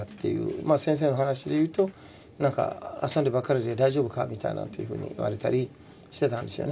まあ先生の話でいうとなんか「遊んでばかりで大丈夫か？」みたいなんていうふうに言われたりしてたんですよね。